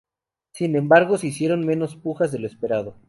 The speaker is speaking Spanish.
Sin embargo, se hicieron menos pujas de lo esperado.